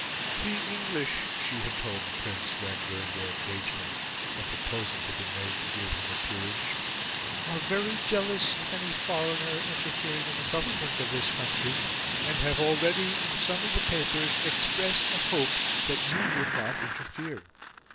"The English," she had told the Prince when, during their engagement, a proposal had been made to give him a peerage, "are very jealous of any foreigner interfering in the government of this country, and have already in some of the papers expressed a hope that you would not interfere.